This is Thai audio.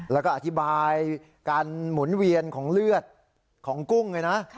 แล้วก็อธิบายการหมุนเวียนของเลือดของกุ้งเลยนะ